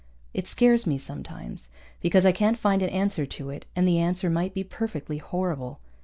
It scares me, sometimes, because I can't find an answer to it and the answer might be perfectly horrible.